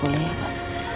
boleh ya pak